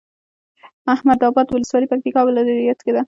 احمداباد ولسوالي پکتيا ولايت کي ده